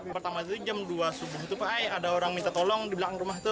pertama itu jam dua subuh itu pak ada orang minta tolong di belakang rumah itu